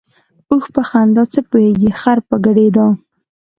ـ اوښ په خندا څه پوهېږي ، خر په ګډېدا.